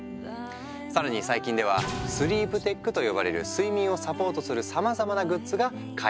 更に最近ではスリープテックと呼ばれる睡眠をサポートするさまざまなグッズが開発されている。